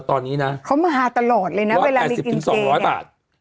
ตอนนี้นะเค้ามาฮาตลอดเลยน่ะเวลา๘๐๒๐๐บาทอ่ะ